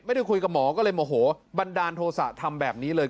ไม่ได้คุยกับหมอก็เลยโมโหบันดาลโทษะทำแบบนี้เลย